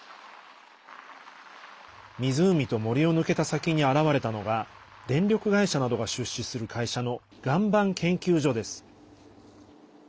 湖と森を抜けた先に現れたのが電力会社などが出資する会社の岩盤研究所です。